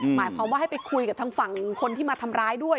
หมายความว่าให้ไปคุยกับทางฝั่งคนที่มาทำร้ายด้วย